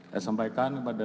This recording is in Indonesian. saya sampaikan kepada